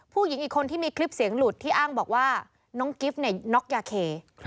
ผู้หญิงอีกคนที่มีคลิปเสียงหลุดที่อ้างบอกว่าน้องกิฟต์น็อกยาเค